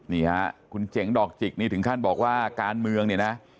นี่ฮะคุณเจ๋งดอกจิกนี่ถึงขั้นบอกว่าการเมืองเนี่ยนะ